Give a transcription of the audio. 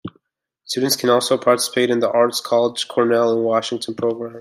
Students can also participate in the Arts College's Cornell-in-Washington program.